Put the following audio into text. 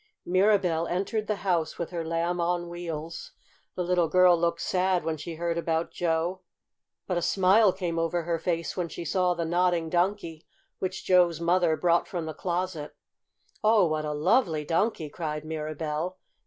Mirabell entered the house with her Lamb on Wheels. The little girl looked sad when she heard about Joe, but a smile came over her face when she saw the Nodding Donkey, which Joe's mother brought from the closet. "Oh, what a lovely Donkey!" cried Mirabell.